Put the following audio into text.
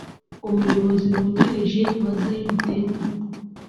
umuyobozi wungirije wa Zion Temple